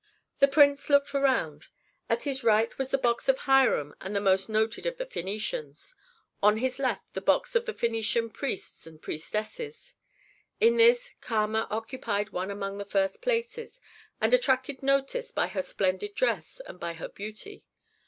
The prince looked around. At his right was the box of Hiram and the most noted of the Phœnicians; on his left the box of the Phœnician priests and priestesses. In this Kama occupied one among the first places, and attracted notice by her splendid dress and by her beauty.